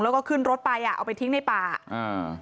แล้วก็ขึ้นรถไปอ่ะเอาไปทิ้งในป่าอ่า